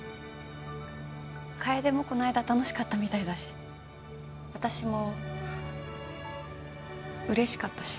楓もこの間楽しかったみたいだし私も嬉しかったし。